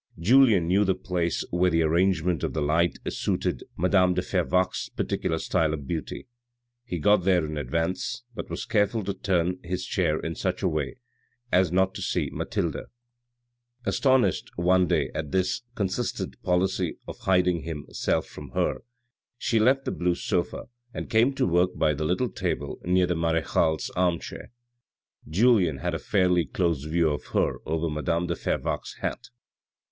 Julien knew the place where the arrangement of the light suited madame de Fervaques' particular style of beauty. He got there in advance, but was careful to turn his chair in such a way as not to see Mathilde. 4i6 THE RED AND THE BLACK Astonished one day at this consistent policy of hiding him self from her, she left the blue sofa and came to work by the little table near the marechale's armchair. Julien had a fairly close view of her over madame de Fervaques' hat.